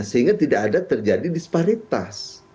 sehingga tidak ada terjadi disparitas